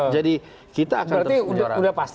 jadi kita akan terus menyuarakan berarti udah pasti